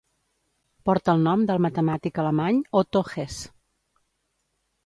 Porta el nom del matemàtic alemany Otto Hesse.